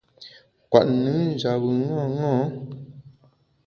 Kwet nùn njap bùn ṅaṅâ.